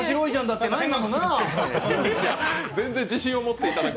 全然、自信を持っていただく。